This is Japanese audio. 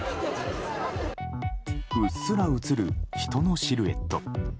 うっすら映る人のシルエット。